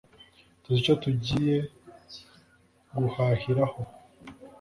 tuzi icyo tugiye guhahiraho!